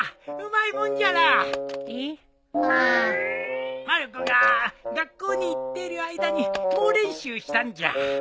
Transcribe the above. まる子が学校に行っている間に猛練習したんじゃ。